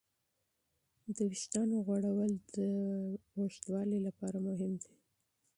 د وېښتو غوړول د ودې لپاره مهم دی.